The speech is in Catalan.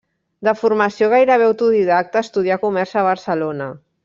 De formació gairebé autodidacta, estudià comerç a Barcelona.